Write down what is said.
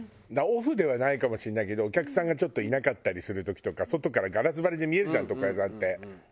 オフではないかもしれないけどお客さんがちょっといなかったりする時とか外からガラス張りで見えるじゃん床屋さんって。